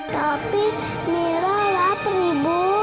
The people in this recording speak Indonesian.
tapi mira lapar ibu